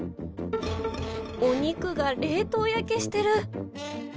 お肉が冷凍焼けしてる。